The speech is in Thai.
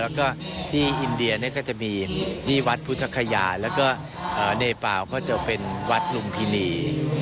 แล้วก็ที่อินเดียก็จะมีที่วัดพุทธคยาแล้วก็เนเปล่าก็จะเป็นวัดลุมพินี